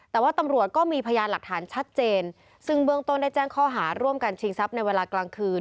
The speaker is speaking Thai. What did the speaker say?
แต่ว่าตำรวจก็มีพยานหลักฐานชัดเจนซึ่งเบื้องต้นได้แจ้งข้อหาร่วมกันชิงทรัพย์ในเวลากลางคืน